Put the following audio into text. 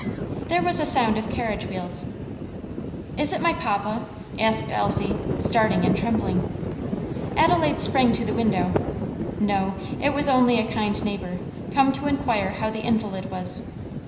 There was a sound of carriage wheels. "Is it my papa?" asked Elsie, starting and trembling. Adelaide sprang to the window. No, it was only a kind neighbor, come to inquire how the invalid was.